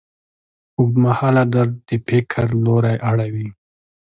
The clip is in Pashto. اوږدمهاله درد د فکر لوری اړوي.